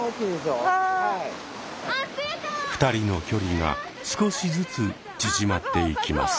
２人の距離が少しずつ縮まっていきます。